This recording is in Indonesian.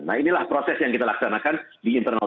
nah inilah proses yang kita laksanakan di internal